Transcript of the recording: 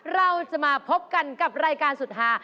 เราจะมาพบกันกับรายการสุดฮา